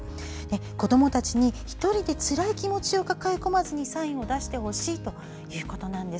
子どもたちに１人でつらい気持ちで抱え込まずにサインを出してほしいということです。